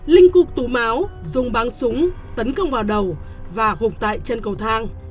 linh cưu tú máu dùng băng súng tấn công vào đầu và hụt tại chân cầu thang